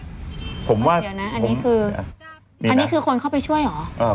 ผมว่าเดี๋ยวนะอันนี้คืออันนี้คือคนเข้าไปช่วยเหรอ